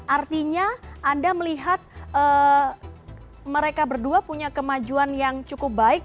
artinya anda melihat mereka berdua punya kemajuan yang cukup baik